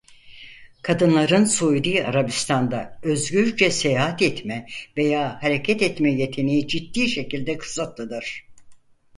Kadınların Suudi Arabistan'da özgürce seyahat etme veya hareket etme yeteneği ciddi şekilde kısıtlıdır.